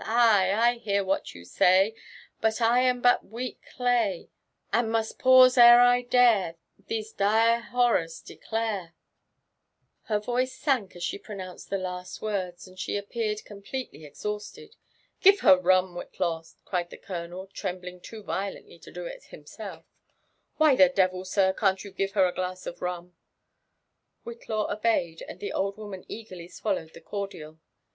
Ay I— I hear what you say ; But I am but weak clay. And must pause ere I dare These dire borrora declare.'' J0NATIi4K JSrPEIUIOK WHUTIaAW. i«| B^r y^^ice flunk us she proDOuaeed the lift word«, aad she appeare(| coiQpIelely exhausted. Give her rum, Whillawl " cried the colonel, trembling too Yio lently to do it bimaelf. ''Why the devils sir, can't you give her a glass of ruo) ?" Whitlaw obeyed, and the old woman eagerly swallowed the cordial.